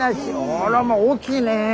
あらまあ大きいね。